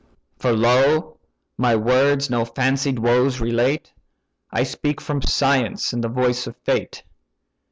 For lo my words no fancied woes relate; I speak from science and the voice of fate.